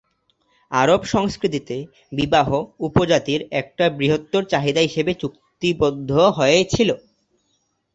আরব সংস্কৃতিতে, বিবাহ, উপজাতির একটি বৃহত্তর চাহিদা হিসেবে চুক্তিবদ্ধ হয়েছিল।